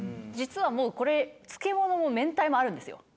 実はもうこれ漬物も明太もあるんですよ。